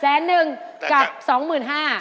๑๐๐๐๐๐บาทกับ๒๕๐๐๐บาท